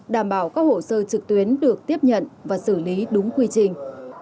đảm bảo các hồ sơ trực tuyến được tiếp nhận và xử lý đúng quy trình